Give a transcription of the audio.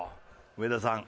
上田さん